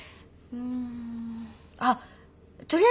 うん。